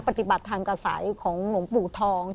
ปฏิบัติธรรมกับสายของหลวงปู่ทอง